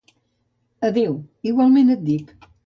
—Adeu, igualment et dic.